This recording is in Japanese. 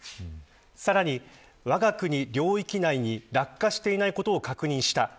さらに、わが国領域内に落下していないことを確認した。